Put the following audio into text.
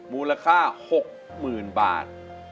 มูลค่า๖๐๐๐๐บาท